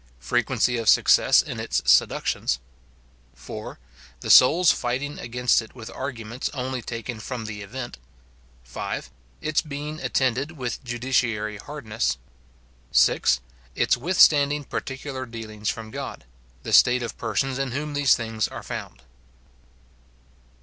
Frequency of success in its seductions — 4. The soul's fighting against it with arguments only taken from the event — 5. Its being attended with judiciary hardness — 6. Its withstanding particular dealings from God — The state of persons in whom these things are found.